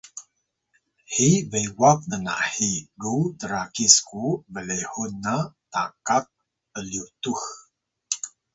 hi bewak nnahi ru trakis ku blihun na takak ’lyutux